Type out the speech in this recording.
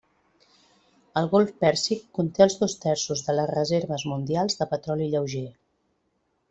El golf Pèrsic conté els dos terços de les reserves mundials de petroli lleuger.